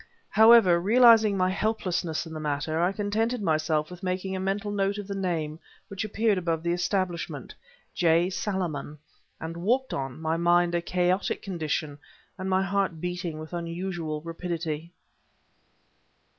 However, realizing my helplessness in the matter, I contented myself with making a mental note of the name which appeared above the establishment J. Salaman and walked on, my mind in a chaotic condition and my heart beating with unusual rapidity.